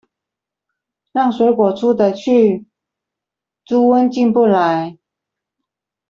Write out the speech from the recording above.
讓水果出得去，豬瘟進不來